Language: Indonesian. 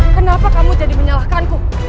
kenapa kamu jadi menyalahkanku